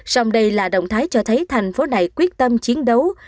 sông đầy là động thái cho thấy thành phố này quyết tâm chiến đấu